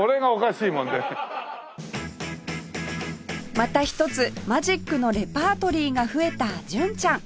またひとつマジックのレパートリーが増えた純ちゃん